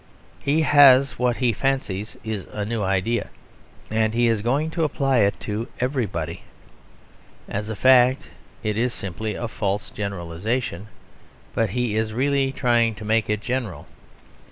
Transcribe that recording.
He has what he fancies is a new idea; and he is going to apply it to everybody. As a fact it is simply a false generalisation; but he is really trying to make it general.